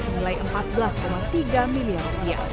senilai rp empat belas tiga miliar